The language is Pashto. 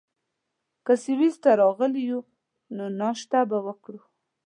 که سویس ته راغلي یو، نو ناشته به وکړو.